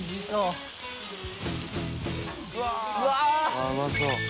あぁうまそう。